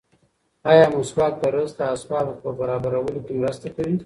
ایا مسواک د رزق د اسبابو په برابرولو کې مرسته کوي؟